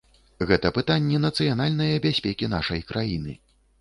Гэта пытанні нацыянальнае бяспекі нашай краіны.